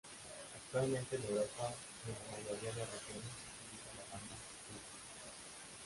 Actualmente en Europa y en la mayoría de regiones, se utiliza la banda Ku.